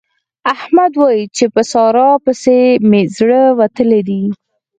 احمد وايي چې په سارا پسې مې زړه وتلی دی.